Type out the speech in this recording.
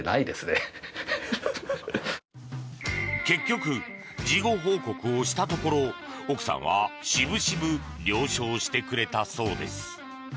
結局、事後報告をしたところ奥さんはしぶしぶ了承してくれたそうです。